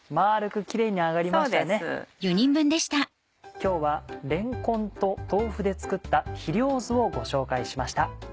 今日はれんこんと豆腐で作ったひりょうずをご紹介しました。